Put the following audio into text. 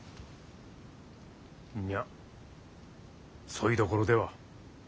いやそいどころでは。